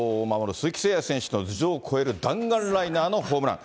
鈴木誠也選手の頭上を越える弾丸ライナーのホームラン。